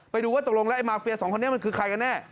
ไปดูว่าตกลงแล้วไอมาเฟียสองคนนี้มันคือใครกันแน่